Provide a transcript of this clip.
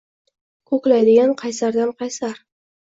Koʼklaydigan qaysardan qaysar